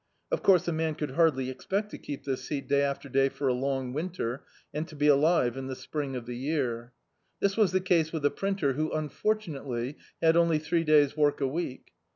Of course, a man could hardly e^qiect to keep this seat day after day for a long winter, and to be alive in the spring of the year. This was the case with a printer who, unfortunately, had only three days' work a week.